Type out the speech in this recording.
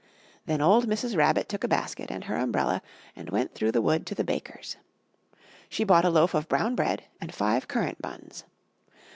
Then old Mrs. Rabbit took a basket and her umbrella and went through the wood to the baker's. She bought a loaf of brown bread and five currant buns.